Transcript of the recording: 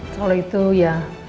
kalau itu ya